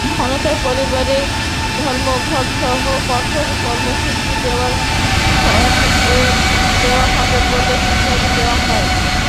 অন্যথায় পরিবহন ধর্মঘটসহ কঠোর কর্মসূচি দেওয়া হবে বলে হুঁশিয়ার করে দেওয়া হয়।